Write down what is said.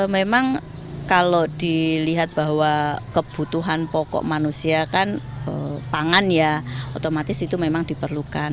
memang kalau dilihat bahwa kebutuhan pokok manusia kan pangan ya otomatis itu memang diperlukan